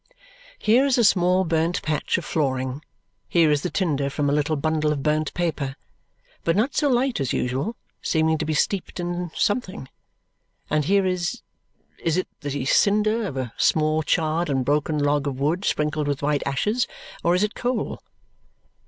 Here is a small burnt patch of flooring; here is the tinder from a little bundle of burnt paper, but not so light as usual, seeming to be steeped in something; and here is is it the cinder of a small charred and broken log of wood sprinkled with white ashes, or is it coal?